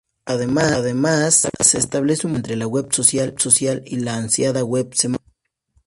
Además, se establece un puente entre la Web social y la ansiada Web semántica.